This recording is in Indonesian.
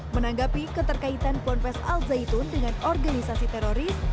menanggapi keterkaitan ponpes al zaitun dengan organisasi teroris